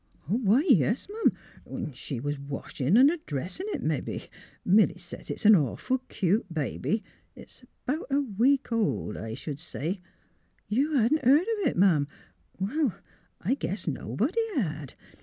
" Why, yes'm, 'n' she was washin' 'n' dressin' it, mebbe. Milly sez it's an' awful cute baby; it's 'bout a week old, I sh'd say. ... You hadn't heerd of it. Ma'am? Well, I guess nobody had.